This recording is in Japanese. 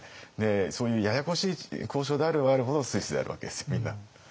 そういうややこしい交渉であればあるほどスイスでやるわけですよみんな。